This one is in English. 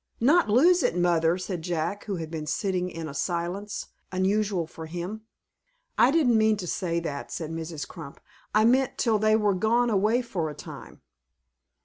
"Not lose it, mother," said Jack, who had been sitting in a silence unusual for him. "I didn't mean to say that," said Mrs. Crump. "I meant till they were gone away for a time."